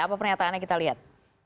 apa pernyataannya kita lihat